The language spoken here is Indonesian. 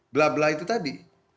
blah blah itu tadi